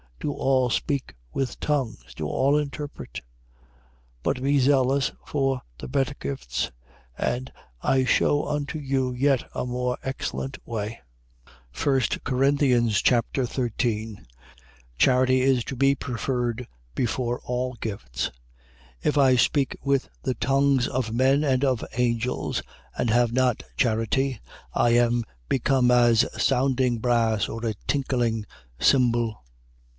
Do all speak with tongues? Do all interpret? 12:31. But be zealous for the better gifts. And I shew unto you yet a more excellent way. 1 Corinthians Chapter 13 Charity is to be preferred before all gifts. 13:1. If I speak with the tongues of men and of angels, and have not charity, I am become as sounding brass, or a tinkling cymbal.